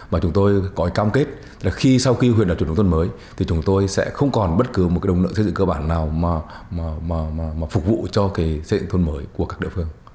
và chúng tôi có cam kết là khi sau khi huyện đạt chuẩn nông thôn mới thì chúng tôi sẽ không còn bất cứ một cái đồng nợ xây dựng cơ bản nào mà phục vụ cho cái xây dựng thôn mới của các địa phương